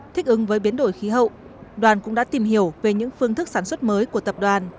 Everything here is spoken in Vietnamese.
thích ứng với biến đổi khí hậu đoàn cũng đã tìm hiểu về những phương thức sản xuất mới của tập đoàn